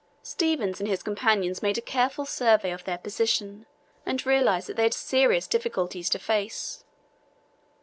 Stevens and his companions made a careful survey of their position and realized that they had serious difficulties to face.